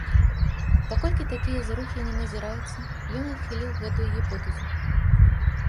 Паколькі такія зрухі не назіраюцца, ён адхіліў гэтую гіпотэзу.